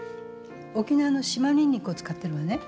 沖縄の島ニンニクを使ってるのね。